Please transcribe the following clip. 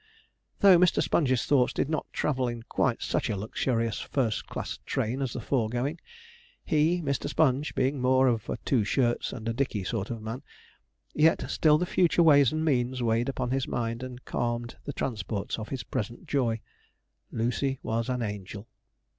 Though Mr. Sponge's thoughts did not travel in quite such a luxurious first class train as the foregoing, he, Mr. Sponge, being more of a two shirts and a dicky sort of man, yet still the future ways and means weighed upon his mind, and calmed the transports of his present joy. Lucy was an angel!